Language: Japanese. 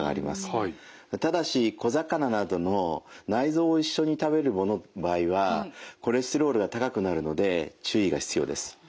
ただし小魚などの内臓を一緒に食べるものの場合はコレステロールが高くなるので注意が必要です。